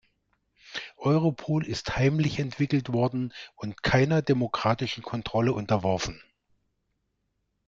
Europol ist heimlich entwickelt worden und keiner demokratischen Kontrolle unterworfen.